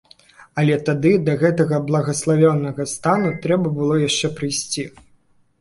Але тады да гэтага благаславёнага стану трэба было яшчэ прыйсці.